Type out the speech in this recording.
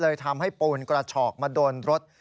ทำให้ปูนกระฉอกมาโดนรถ